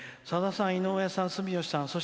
「さださん、井上さん、住吉さん